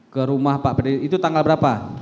ke rumah pak pdi itu tanggal berapa